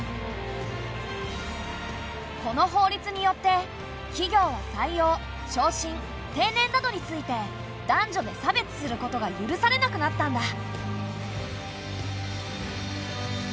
この法律によって企業は採用・昇進・定年などについて男女で差別することが許されなくなったんだ。